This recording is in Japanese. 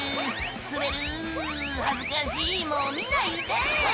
「滑る恥ずかしいもう見ないで！」